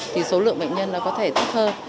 thì số lượng bệnh nhân nó có thể thấp hơn